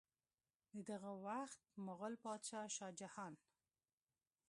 د دغه وخت مغل بادشاه شاه جهان